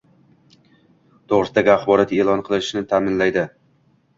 to‘g‘risidagi axborot e’lon qilinishini ta’minlaydi;